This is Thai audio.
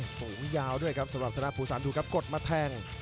สูงยาวด้วยครับสำหรับธนาภูสานดูครับกดมาแทง